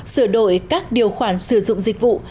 sửa đổi các điều khoản sử dụng dịch vụ